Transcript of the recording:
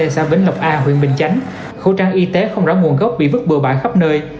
xã vĩnh lọc a huyện bình chánh khẩu trang y tế không rõ nguồn gốc bị vứt bừa bã khắp nơi